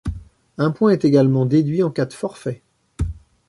Un point est également déduit en cas de forfait.